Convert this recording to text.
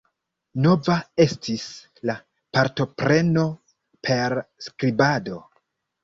Nova estis la partopreno per skribado.